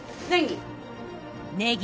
ネギ。